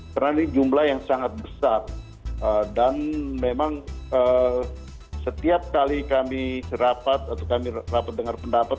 karena ini jumlah yang sangat besar dan memang setiap kali kami rapat atau kami rapat dengar pendapat